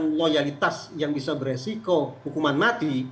dengan loyalitas yang bisa beresiko hukuman mati